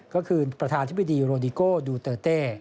ก็คือประธานธิบดีโรดิโก้ดูเตอร์เต้